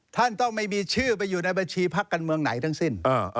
ท่านต้องไม่มีชื่อไปอยู่ในบัญชีพักกันเมืองไหนทั้งสิ้น